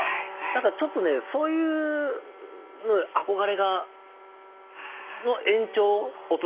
何かちょっとねそういう憧れがの延長大人版がそれ